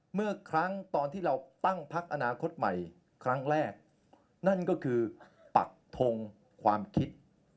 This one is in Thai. เมื่อครั้งตอนที่เราตั้งพักอนาคตใหม่ครั้งแรกนั่นก็คือปักทงความคิด